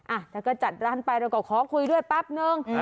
อ่ะถ้าก็จัดร้านไปเราก็ขอคุยด้วยแป๊บนึง